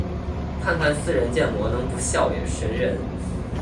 看着似人建模能不笑也是神人